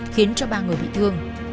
khiến ba người bị thương